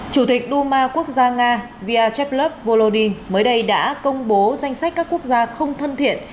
chủ tịch luma quốc gia nga vyachevlov volodymyr mới đây đã công bố danh sách các quốc gia không thân thiện